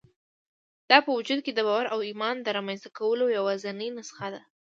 دا په وجود کې د باور او ايمان د رامنځته کولو يوازېنۍ نسخه ده.